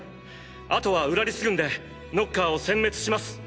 あとはウラリス軍でノッカーを殲滅します。